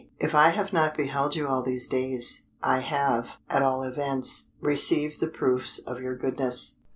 "If I have not beheld you all these days, I have, at all events, received the proofs of your goodness."